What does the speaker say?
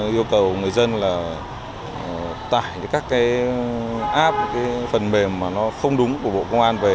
yêu cầu người dân là tải các cái app phần mềm mà nó không đúng của bộ công an về